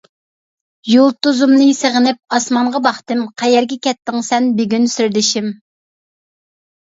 يۇلتۇزۇمنى سېغىنىپ ئاسمانغا باقتىم، قەيەرگە كەتتىڭ سەن بۈگۈن سىردىشىم ؟!